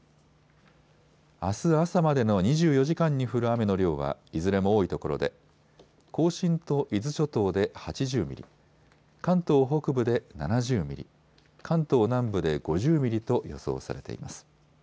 あす朝までの２４時間に降る雨の量は、いずれも多いところで甲信と伊豆諸島で８０ミリ、関東北部で７０ミリ、関東南部で５０ミリと予想されています。